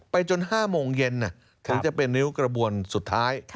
จน๕โมงเย็นถึงจะเป็นริ้วกระบวนสุดท้าย